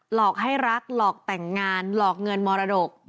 หลอกให้รักหลอกแต่งงานหลอกเงินมรดก